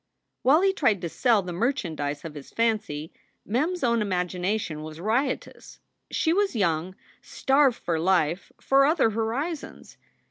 While he tried to sell the merchandise of his fancy, Mem s own imagination was riotous. She was young, starved for life, for other horizons.